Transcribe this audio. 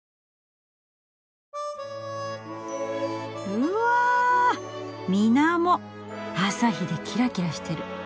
うわ水面朝日でキラキラしてる。